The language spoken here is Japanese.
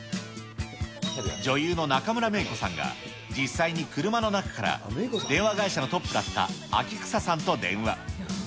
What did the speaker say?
女優の中村メイコさんが、実際に車の中から、電話会社のトップだった秋草さんと電話。